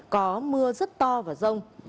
có mưa rất to và rông